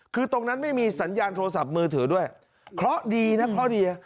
คือตรงนั้นไม่มีสัญญาณโทรศัพท์มือถือด้วยเคราะห์ดีนะเคราะห์ดี